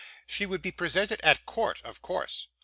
She would be presented at court, of course.